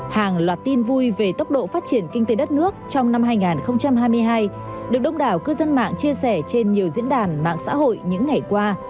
hàng loạt tin vui về tốc độ phát triển kinh tế đất nước trong năm hai nghìn hai mươi hai được đông đảo cư dân mạng chia sẻ trên nhiều diễn đàn mạng xã hội những ngày qua